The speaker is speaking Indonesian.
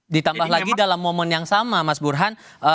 ditambah lagi dalam momen yang sama mas burhan